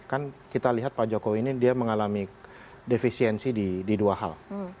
kan kita lihat pak jokowi ini dia mengalami defisiensi di dua hal